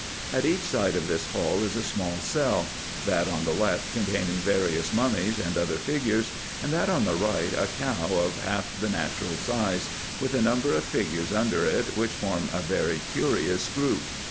At each side of this hall is a small cell ; that on the left containing various mummies and other figures, and that on the right a cow of half the natural size, with a number of figures under it, which form a very curious group.